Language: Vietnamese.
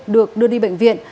được đưa đi bệnh viện